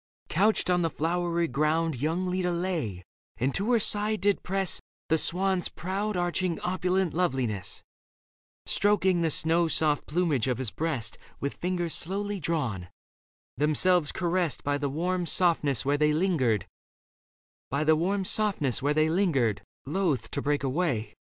Couched on the flowery ground Young Leda lay, and to her side did press The swan's proud arching opulent loveliness, Stroking the snow soft plumage of his breast With fingers slowly drawn, themselves caressed By the warm softness where they lingered, loth To break away.